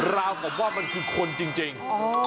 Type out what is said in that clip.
ราวกับว่ามันคือคนจริง